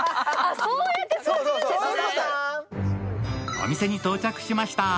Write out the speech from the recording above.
お店に到着しました。